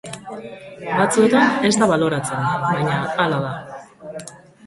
Batzuetan ez da baloratzen, baina hala da.